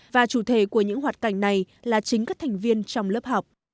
và chủ thể của những hoạt cảnh này là chính các thành viên trong lớp học